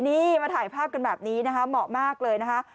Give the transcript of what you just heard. นี่มาถ่ายภาพกันแบบนี้นะคะเหมาะมากเลยนะคะ